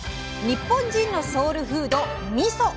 日本人のソウルフード「みそ」。